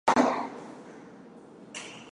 它可用于帮助从矿石中分离钼。